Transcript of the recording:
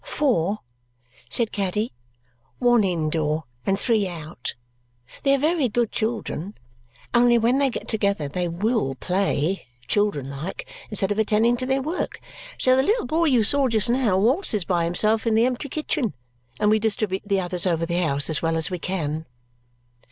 "Four," said Caddy. "One in door, and three out. They are very good children; only when they get together they WILL play children like instead of attending to their work. So the little boy you saw just now waltzes by himself in the empty kitchen, and we distribute the others over the house as well as we can."